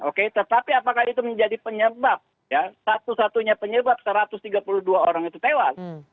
oke tetapi apakah itu menjadi penyebab ya satu satunya penyebab satu ratus tiga puluh dua orang itu tewas